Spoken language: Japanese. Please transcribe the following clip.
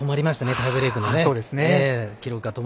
タイブレークの記録が。